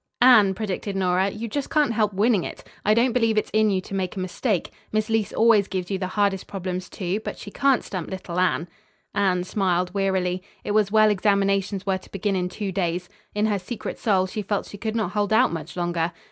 "Anne," predicted Nora, "you just can't help winning it! I don't believe it's in you to make a mistake. Miss Leece always gives you the hardest problems, too, but she can't stump little Anne." Anne smiled wearily. It was well examinations were to begin in two days. In her secret soul she felt she could not hold out much longer.